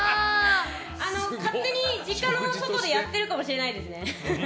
勝手に実家の外でやってるかもしれないですね。